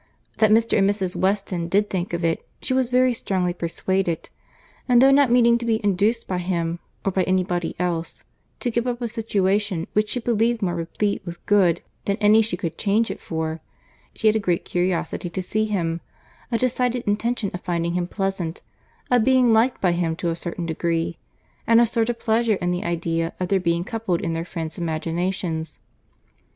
That Mr. and Mrs. Weston did think of it, she was very strongly persuaded; and though not meaning to be induced by him, or by any body else, to give up a situation which she believed more replete with good than any she could change it for, she had a great curiosity to see him, a decided intention of finding him pleasant, of being liked by him to a certain degree, and a sort of pleasure in the idea of their being coupled in their friends' imaginations.